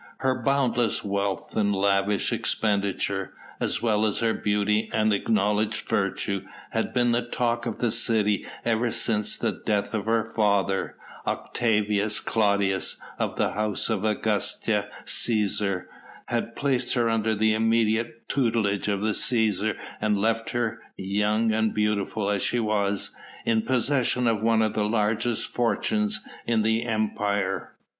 Her boundless wealth and lavish expenditure, as well as her beauty and acknowledged virtue, had been the talk of the city ever since the death of her father, Octavius Claudius of the House of Augusta Cæsar, had placed her under the immediate tutelage of the Cæsar and left her young and beautiful as she was in possession of one of the largest fortunes in the Empire.